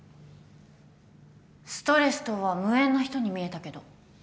ストレスとは無縁な人に見えたけど。